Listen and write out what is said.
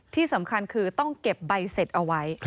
ที่สำคัญคือต้องเก็บใบเสร็จเอาไว้